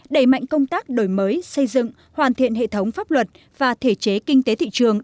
đẩy mạnh công tác đổi mới xây dựng hoàn thiện hệ thống pháp luật và thể chế kinh tế thị trường